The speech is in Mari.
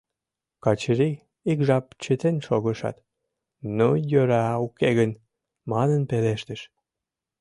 Качырий ик жап чытен шогышат, «Ну, йӧра уке гын...» манын пелештыш.